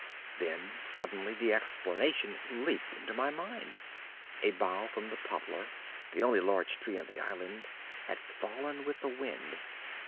Then suddenly the explanation leaped into my mind: a bough from the poplar, the only large tree on the island, had fallen with the wind.